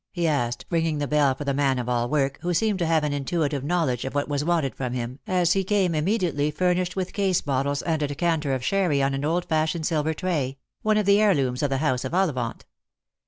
he asked, ringing the bell for the man of all work, who seemed to have an intuitive know ledge of what was wanted from him, as he came immediately, furnished with case bottles and a decanter of sherry on an old fashioned silver tray — one of the heirlooms of the house of Ollivant.